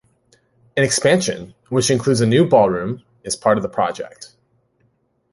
An expansion, which includes a new ballroom, is part of the project.